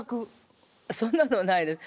そんなのはないです。